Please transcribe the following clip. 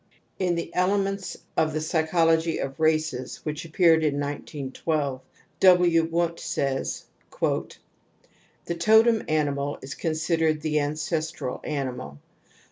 In the Elements of the Psychology of Races y which appeared in 1912, W. Wimdt says ":" The totem animal is con sidered the ancestral animal.